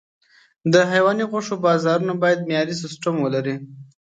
د حيواني غوښو بازارونه باید معیاري سیستم ولري.